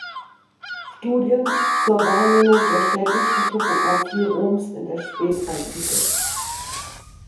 Studien zur Wahrnehmung der städtischen Topographie Roms in der Spätantike“.